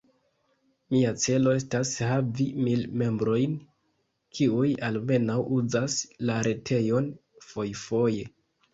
Mia celo estas havi mil membrojn, kiuj almenaŭ uzas la retejon fojfoje.